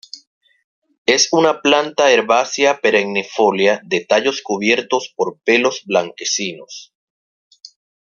Es una planta herbácea perennifolia de tallos cubiertos por pelos blanquecinos.